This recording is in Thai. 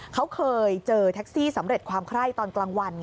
เขาเคยเจอแท็กซี่สำเร็จความไคร้ตอนกลางวัน